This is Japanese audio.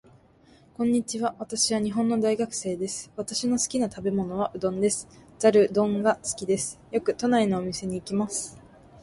こんにちは。私は日本の大学生です。私の好きな食べ物はうどんです。ざるうどんが好きです。よく都内のお店に行きます。